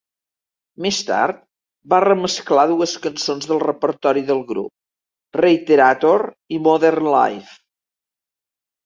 Més tard, va remesclar dues cançons del repertori del grup, "Reiterator" i "Modern Life".